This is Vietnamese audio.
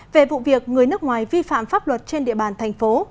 về vụ việc người nước ngoài vi phạm pháp luật trên địa bàn thành phố